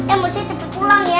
eh manusia cepet pulang ya